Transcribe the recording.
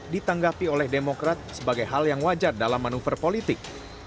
ditanggapi oleh demokrat sebagai hal yang wajar dalam manuver politik